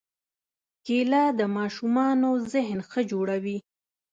کېله د ماشومانو ذهن ښه جوړوي.